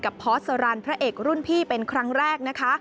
พอร์สสรรพระเอกรุ่นพี่เป็นครั้งแรกนะคะ